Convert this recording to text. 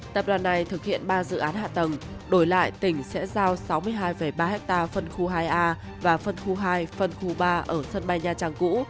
tập đoàn này thực hiện ba dự án hạ tầng đổi lại tỉnh sẽ giao sáu mươi hai ba hectare phân khu hai a và phân khu hai phân khu ba ở sân bay nha trang cũ